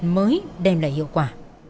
mới đem lại hiệu quả